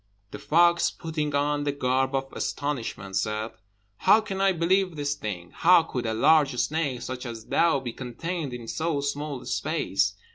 The fox, putting on the garb of astonishment, said, "How can I believe this thing? How could a large snake such as thou be contained in so small a space?"